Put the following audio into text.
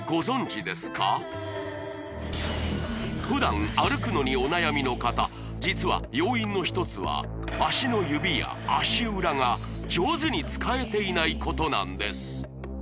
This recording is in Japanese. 指が普段歩くのにお悩みの方実は要因の一つは足の指や足裏が上手に使えていないことなんです